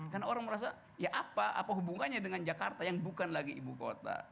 karena orang merasa ya apa apa hubungannya dengan jakarta yang bukan lagi ibu kota